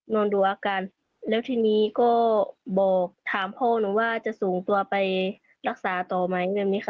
นอนดูอาการแล้วทีนี้ก็บอกถามพ่อหนูว่าจะส่งตัวไปรักษาต่อไหมแบบนี้ค่ะ